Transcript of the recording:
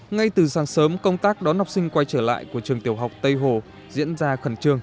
ngay từ sáng sớm công tác đón học sinh quay trở lại của trường tiểu học tây hồ diễn ra khẩn trương